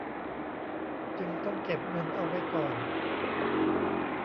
จึงต้องเก็บเงินเอาไว้ก่อน